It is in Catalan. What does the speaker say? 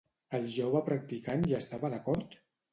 El jove practicant hi estava d'acord?